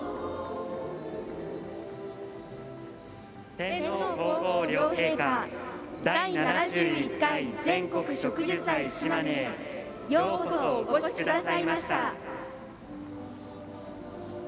天皇皇后両陛下「第７１回全国植樹祭しまね」へようこそ、お越しくださいました。